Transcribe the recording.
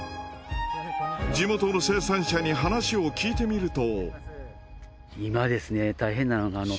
地元の生産者に話を聞いてみると。